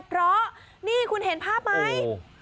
เพราะนี่คุณเห็นภาพไหม